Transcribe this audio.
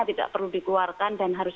tidak perlu dikeluarkan dan harus